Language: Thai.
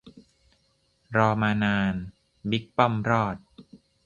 รอมานาน บิ๊กป้อมรอด !